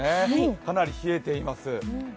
かなり冷えています。